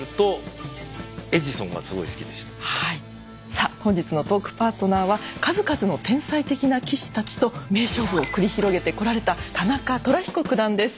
さあ本日のトークパートナーは数々の天才的な棋士たちと名勝負を繰り広げてこられた田中寅彦九段です。